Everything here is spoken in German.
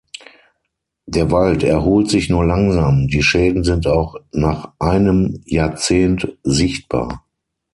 Der Wald erholt sich nur langsam, die Schäden sind auch nach einem Jahrzehnt sichtbar.